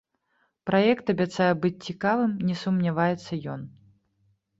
Праект абяцае быць цікавым, не сумняваецца ён.